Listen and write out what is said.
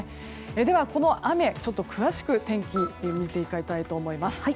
ではこの雨、詳しく天気見ていきたいと思います。